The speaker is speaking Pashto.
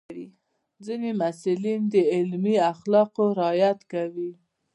ځینې محصلین د علمي اخلاقو رعایت کوي.